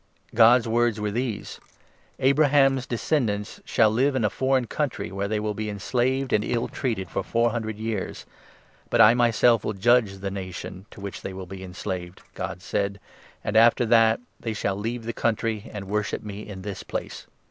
God's words were 6 these —' Abraham's descendants shall live in a foreign country, where they will be enslaved and ill treated for four hundred years. But I myself will judge the nation, to which they will 7 be enslaved,' God said, 'and after that they shall leave the country and worship me in this place.''